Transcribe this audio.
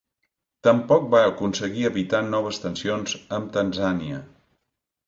Tampoc va aconseguir evitar noves tensions amb Tanzània.